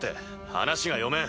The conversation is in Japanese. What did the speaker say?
話が読めん。